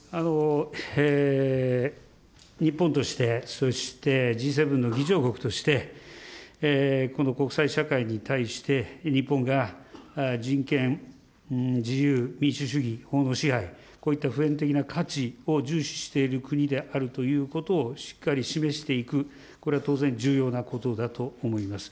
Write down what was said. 日本として、そしてＧ７の議長国として、この国際社会に対して、日本が人権、自由、民主主義、法の支配、こういった普遍的な価値を重視している国であるということをしっかり示していく、これは当然重要なことだと思います。